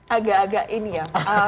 agak agak ini ya